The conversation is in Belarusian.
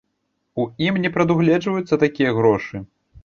У ім не прадугледжваюцца такія грошы.